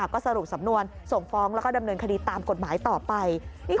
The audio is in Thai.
ก็สรุปสำนวนส่งฟ้องแล้วก็ดำเนินคดีตามกฎหมายต่อไป